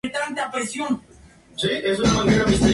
Su primer corregidor fue Camilo S. Sáenz.